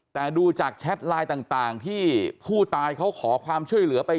แต่ดูจากแชทไลน์ต่างที่ผู้ตายเขาขอความช่วยเหลือไป